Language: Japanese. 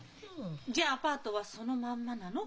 じゃあアパートはそのまんまなの？